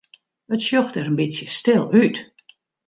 It sjocht der in bytsje stil út.